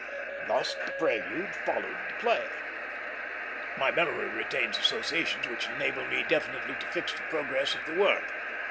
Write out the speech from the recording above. Thus the prelude followed the play. My memory retains associations which enable me definitely to fix the progress of the work.